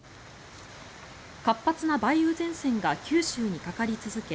活発な梅雨前線が九州にかかり続け